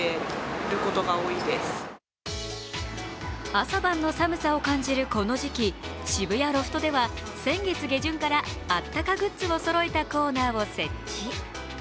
朝晩の寒さを感じるこの時期、渋谷ロフトでは先月下旬からあったかグッズをそろえたコーナーを設置。